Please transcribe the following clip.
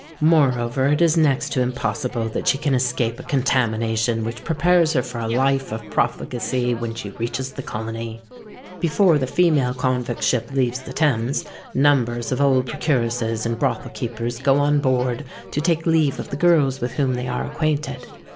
Moreover, it is next to impossible that she can escape a contamination which prepares her for a life of profligacy when she reaches the colony. "Before the female convict ship leaves the Thames, numbers of old procuresses and brothel keepers go on board to take leave of the girls with whom they are acquainted.